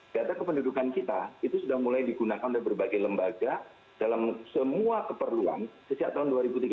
data kependudukan kita itu sudah mulai digunakan oleh berbagai lembaga dalam semua keperluan sejak tahun dua ribu tiga belas